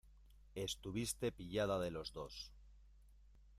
estuviste pillada de los dos.